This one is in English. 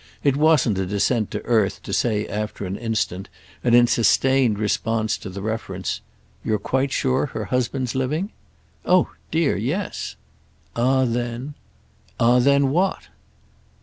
It wasn't a descent to earth to say after an instant and in sustained response to the reference: "You're quite sure her husband's living?" "Oh dear, yes." "Ah then—!" "Ah then what?"